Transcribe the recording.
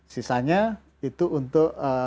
sisanya itu untuk